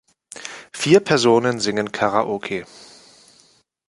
Vier Personen singen Karaoke.